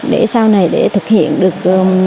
để sau này để thực hiện được